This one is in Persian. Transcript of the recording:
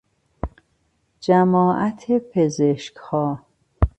جماعت پزشکها